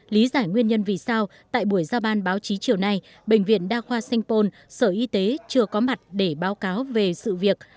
lý giải nguyên nhân vì sao tại buổi giao ban báo chí chiều nay bệnh viện đa khoa sanh pôn sở y tế chưa có mặt để báo cáo về sự việc